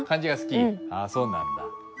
あっそうなんだ。